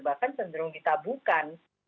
bahkan cenderung ditabukan